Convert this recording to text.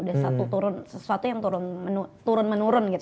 ada satu turun sesuatu yang turun menurun gitu